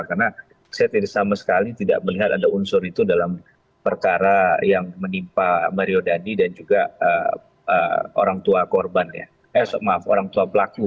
karena saya tidak sama sekali tidak melihat ada unsur itu dalam perkara yang menimpa mario dandi dan juga orang tua pelaku